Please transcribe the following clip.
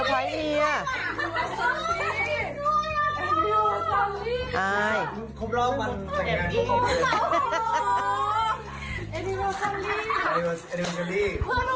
สักทีนี้